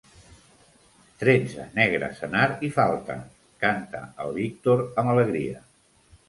Tretze, negre, senar i falta —canta el Víctor amb alegria.